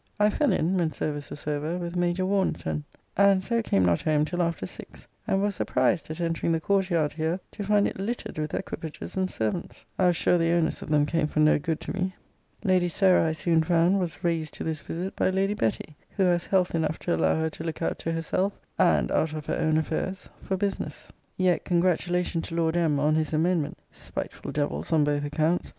I fell in, when service was over, with Major Warneton; and so came not home till after six; and was surprised, at entering the court yard here, to find it littered with equipages and servants. I was sure the owners of them came for no good to me. Lady Sarah, I soon found, was raised to this visit by Lady Betty; who has health enough to allow her to look out to herself, and out of her own affairs, for business. Yet congratulation to Lord M. on his amendment, [spiteful devils on both accounts!